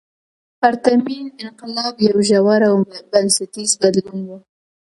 پرتمین انقلاب یو ژور او بنسټیز بدلون و.